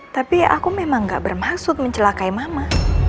tapi aku memang gak bermaksud mencelakai mama